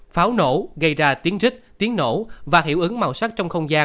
pháo nổ gây ra tiếng rích tiếng nổ và hiệu ứng màu sắc trong không gian